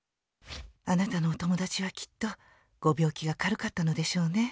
「あなたのお友だちはきっとご病気が軽かったのでしょうね。